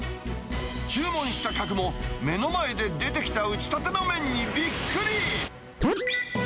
注文した客も、目の前で出てきた打ちたての麺にびっくり。